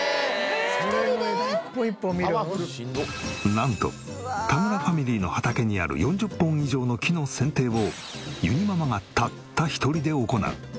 なんと田村ファミリーの畑にある４０本以上の木の剪定をゆにママがたった一人で行う。